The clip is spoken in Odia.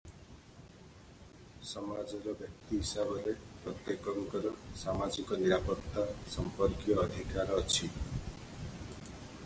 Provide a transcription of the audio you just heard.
ସମାଜର ବ୍ୟକ୍ତି ହିସାବରେ ପ୍ରତ୍ୟେକଙ୍କର ସାମାଜିକ ନିରାପତ୍ତା ସମ୍ପର୍କୀୟ ଅଧିକାର ଅଛି ।